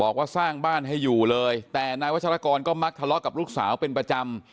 ว่าสร้างบ้านให้อยู่เลยแต่นายวัชรกรก็มักทะเลาะกับลูกสาวเป็นประจำ